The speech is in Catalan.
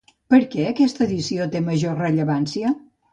Per què aquesta edició té major rellevància?